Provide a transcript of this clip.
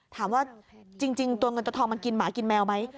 ถามว่าจริงตัวเงินตัวทองมันกินหมากินแมวไหม